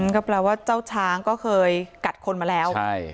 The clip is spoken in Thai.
ก็แปลว่าเจ้าช้างก็เคยกัดคนมาแล้วใช่